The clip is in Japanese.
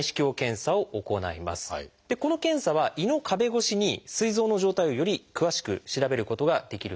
この検査は胃の壁越しにすい臓の状態をより詳しく調べることができるんです。